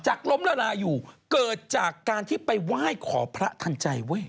ล้มละลายอยู่เกิดจากการที่ไปไหว้ขอพระทันใจเว้ย